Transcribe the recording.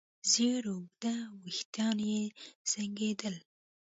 زېړ اوږده وېښتان يې زانګېدل.